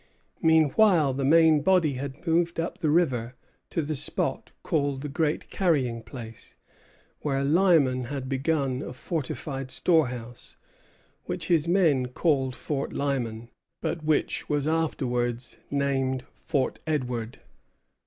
Meanwhile the main body had moved up the river to the spot called the Great Carrying Place, where Lyman had begun a fortified storehouse, which his men called Fort Lyman, but which was afterwards named Fort Edward.